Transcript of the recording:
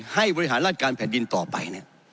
บริหารราชการแผ่นดินต่อไป